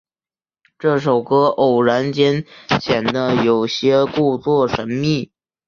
这首歌偶然间显得有些故作神秘。